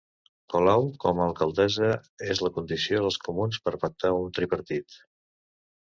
Colau com a alcaldessa és la condició dels comuns per pactar un tripartit